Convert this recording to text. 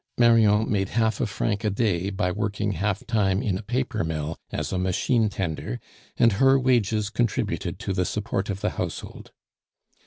Marion made half a franc a day by working half time in a paper mill as a machine tender, and her wages contributed to the support of the household.